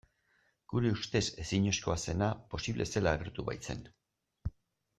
Gure ustez ezinezkoa zena posible zela agertu baitzen.